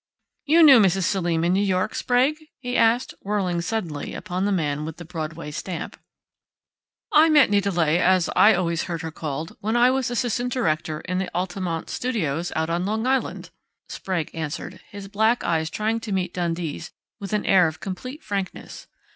_ "You knew Mrs. Selim in New York, Sprague?" he asked, whirling suddenly upon the man with the Broadway stamp. "I met Nita Leigh, as I always heard her called, when I was assistant director in the Altamont Studios, out on Long Island," Sprague answered, his black eyes trying to meet Dundee's with an air of complete frankness.